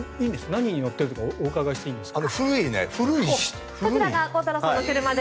何に乗ってるとかお伺いしていいんですか？